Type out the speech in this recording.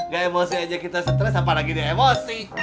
gak emosi aja kita stress apa lagi dia emosi